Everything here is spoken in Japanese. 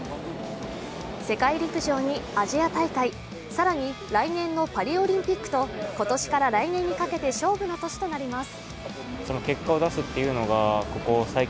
世界陸上にアジア大会、更に来年のパリオリンピックと今年から来年にかけて勝負の年となります。